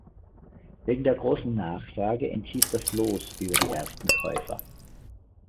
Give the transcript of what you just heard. Wegen der großen Nachfrage entschied das Los über die ersten Käufer.